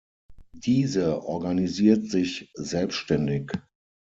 Diese organisiert sich selbständig.